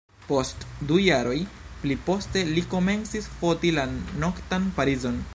Post du jaroj pli poste li komencis foti la noktan Parizon.